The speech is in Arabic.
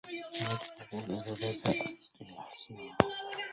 ولقد أقول إذا بدت يا حسنها